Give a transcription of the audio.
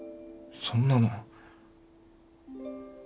そんなの。